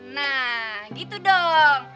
nah gitu dong